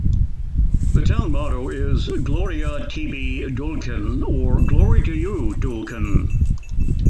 The town motto is, "Gloria tibi Duelken", or "Glory to you, Duelken".